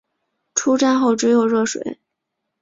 出站后只有热水